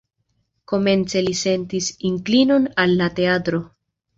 Komence li sentis inklinon al la teatro.